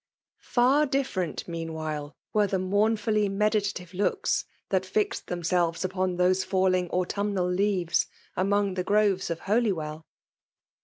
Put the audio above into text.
Far difibi*ent meanwhile were the mourn fully meditative looks that fixed themselves upon those falling autumnal leaves, among :thc groves of Holywell!